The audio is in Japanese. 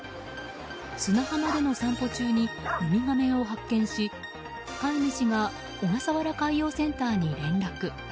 砂浜での散歩中にウミガメを発見し飼い主が小笠原海洋センターに連絡。